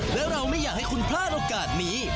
และเราไม่อยากให้คุณพลาดโอกาสนี้